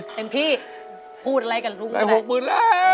เต็มพี่พูดอะไรกับลุงอะไรได้๖๐๐๐๐บาทแล้ว